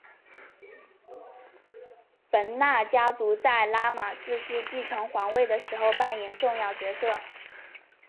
汶那家族在拉玛四世继承皇位的时候扮演重要角色。